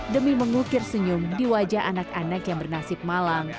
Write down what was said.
demi mengukir senyum di wajah anak anak yang bernasib malang